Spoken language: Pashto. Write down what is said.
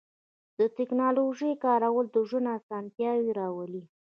د تکنالوژۍ کارول د ژوند آسانتیاوې راولي.